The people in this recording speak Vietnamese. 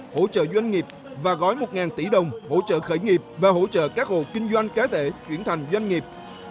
hỗ trợ doanh nghiệp và gói một tỷ đồng hỗ trợ khởi nghiệp và hỗ trợ các hộ kinh doanh cá thể chuyển thành doanh nghiệp